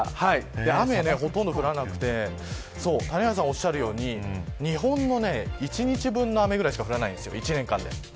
雨はほとんど降らなくて谷原さんがおっしゃるように日本の１日分の雨しか降らないんです、１年間で。